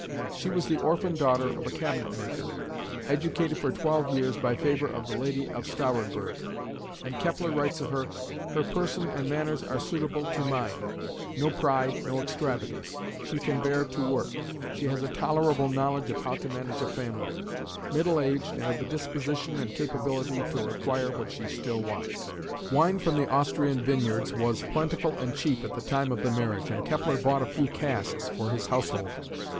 She was the orphan daughter of a cabinetmaker, educated for twelve years by favour of the Lady of Stahrenburg, and Kepler writes of her: "Her person and manners are suitable to mine; no pride, no extravagance; she can bear to work; she has a tolerable knowledge of how to manage a family; middle aged and of a disposition and capability to acquire what she still wants". Wine from the Austrian vineyards was plentiful and cheap at the time of the marriage, and Kepler bought a few casks for his household.